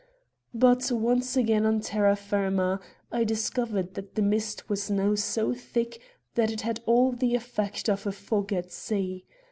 But once again on terra firma, I discovered that the mist was now so thick that it had all the effect of a fog at sea.